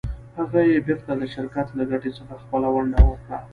هغه یې بېرته د شرکت له ګټې څخه خپله ونډه ورکړه.